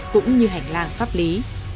cũng như hành lang pháp lý